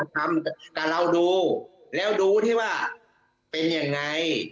ทำแต่เราดูแล้วดูที่ว่าเป็นยังไง